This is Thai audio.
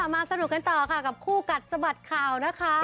มาสนุกกันต่อค่ะกับคู่กัดสะบัดข่าวนะคะ